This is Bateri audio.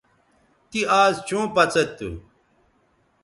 تی آز چوں پڅید تھو